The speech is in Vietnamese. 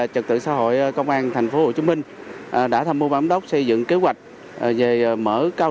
trật tự xã hội công an thành phố hồ chí minh đã tham mưu ban giám đốc xây dựng kế hoạch về mở cao